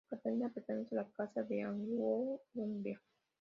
Catalina pertenecía a la Casa de Anjou-Hungría.